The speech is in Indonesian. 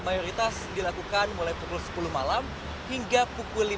mayoritas dilakukan mulai pukul sepuluh malam hingga pukul sepuluh